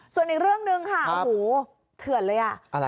ส่วนอีกเรื่องหนึ่งค่ะโอ้โหเถื่อนเลยอ่ะ